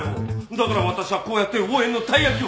だから私はこうやって応援のたい焼きを。